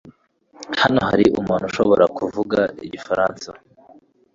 Hano hari umuntu ushobora kuvuga igifaransa?